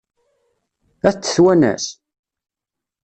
Ad t-twanes?